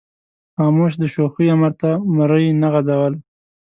خاموش د شوخۍ امر ته مرۍ نه غځوله.